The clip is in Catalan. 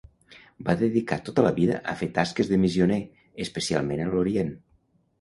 Va dedicar tota la vida a fer tasques de missioner, especialment a l'Orient.